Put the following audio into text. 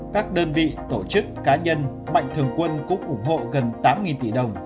các đơn vị tổ chức cá nhân mạnh thường quân cũng ủng hộ gần tám tỷ đồng